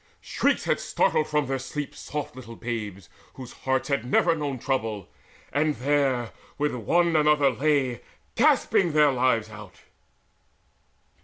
Shrieks had startled from their sleep Soft little babes whose hearts had never known Trouble and there one with another lay Gasping their lives out!